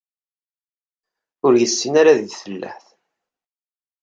Ur yessin kra deg tfellaḥt.